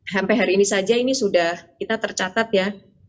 sampai hari ini saja ini sudah kita tercatat ya